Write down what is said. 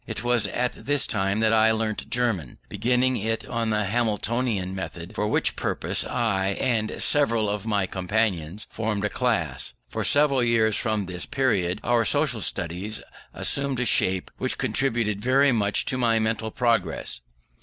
It was at this time that I learnt German; beginning it on the Hamiltonian method, for which purpose I and several of my companions formed a class. For several years from this period, our social studies assumed a shape which contributed very much to my mental progress.